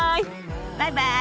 バイバイ！